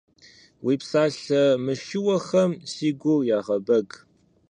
Уи псалъэ мышыухэм си гур ягъэбэг.